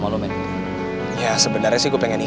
gue gak menang